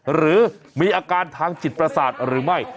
หรือมีอาการทางจิตประสาทหรือไม่